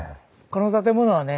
この建物はね